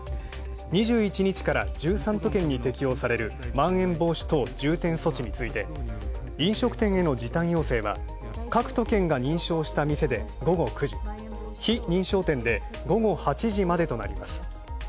２１日から１３都県に適用されるまん延防止等重点措置について、飲食店への時短要請は各都県が認証した店で午後９時、非認証店で午後８時までとなります。